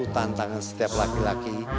tentangnya setiap laki laki